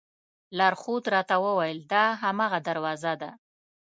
لارښود راته وویل دا هماغه دروازه ده.